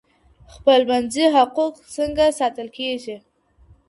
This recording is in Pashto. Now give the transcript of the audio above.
خپلمنځي حقوق څنګه ساتل کيږي؟